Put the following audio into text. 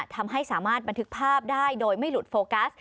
ทำให้สามารถบันทึกภาพได้โดยไม่หลุดโฟกัส